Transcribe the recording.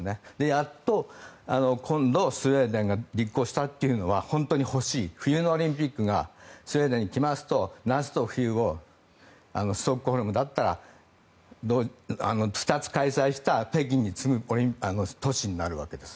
やっと今度、スウェーデンが立候補したというのは本当に欲しい冬のオリンピックがスウェーデンに来ますと夏と冬をストックホルムだったら２つ開催した北京に次ぐ都市になるわけです。